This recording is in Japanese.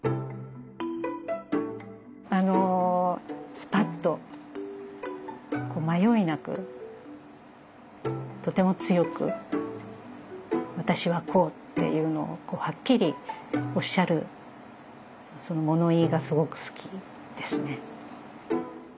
スパッと迷いなくとても強く「私はこう」っていうのをはっきりおっしゃるその物言いがすごく好きですね。